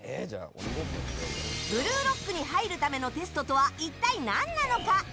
ブルーロックに入るためのテストとは一体何なのか。